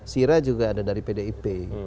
sira juga ada dari pdip